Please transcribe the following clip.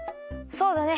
そうだね。